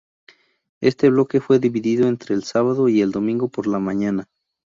Este bloque fue dividido entre el sábado y el domingo por la mañana.